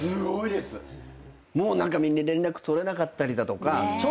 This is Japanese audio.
もう連絡とれなかったりだとか。